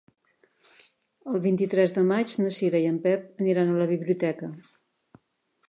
El vint-i-tres de maig na Cira i en Pep aniran a la biblioteca.